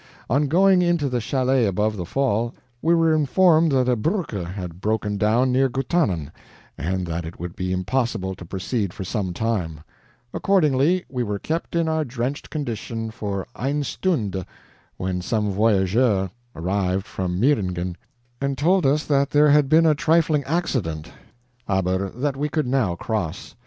On going into the CHALET above the fall, we were informed that a BRUECKE had broken down near Guttanen, and that it would be impossible to proceed for some time; accordingly we were kept in our drenched condition for EIN STUNDE, when some VOYAGEURS arrived from Meiringen, and told us that there had been a trifling accident, ABER that we could now cross.